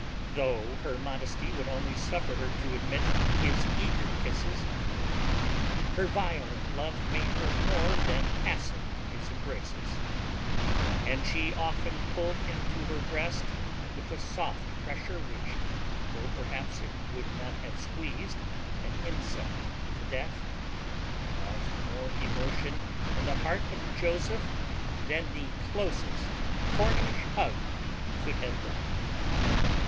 Though her modesty would only suffer her to admit his eager kisses, her violent love made her more than passive in his embraces; and she often pulled him to her breast with a soft pressure, which though perhaps it would not have squeezed an insect to death, caused more emotion in the heart of Joseph than the closest Cornish hug could have done.